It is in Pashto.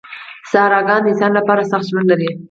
صحراګان د انسان لپاره سخت ژوند لري.